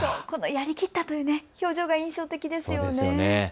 この、やりきったという表情が印象的ですよね。